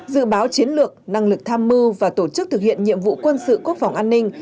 dự báo chiến lược năng lực tham mưu và tổ chức thực hiện nhiệm vụ quân sự quốc phòng an ninh